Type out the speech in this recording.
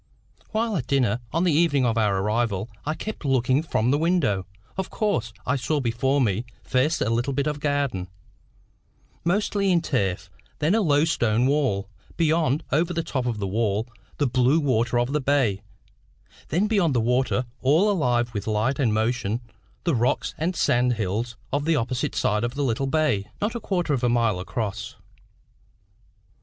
While at dinner, on the evening of our arrival, I kept looking from the window, of course, and I saw before me, first a little bit of garden, mostly in turf, then a low stone wall; beyond, over the top of the wall, the blue water of the bay; then beyond the water, all alive with light and motion, the rocks and sand hills of the opposite side of the little bay, not a quarter of a mile across.